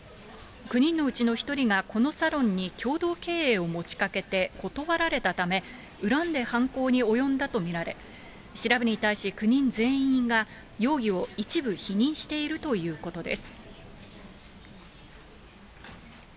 ９人のうちの１人がこのサロンに共同経営を持ちかけて、断られたため、恨んで犯行に及んだと見られ、調べに対し９人全員が容疑を一部否認しているということです。